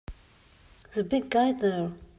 The big guy there!